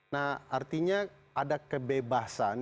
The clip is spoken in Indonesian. nah artinya ada kebiasaan